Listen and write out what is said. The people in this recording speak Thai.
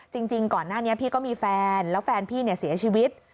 จริงก่อนหน้านี้พี่ก็มีแฟนแล้วแฟนพี่เสียชีวิต